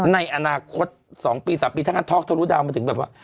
ในอนาคต๒ปี๓ปีถ้าท้อคทะลุดาวมันถึงแบบว่า